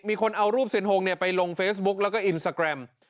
มีคนเอารูปเซียนฮงเนี่ยไปลงเฟซบุ๊คแล้วก็อินสตราแครม